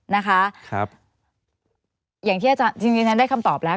อย่างที่อาจารย์จริงได้คำตอบแล้ว